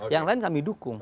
yang lain kami dukung